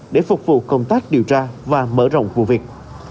để phục vụ công tác điều tra và mở rộng vụ việc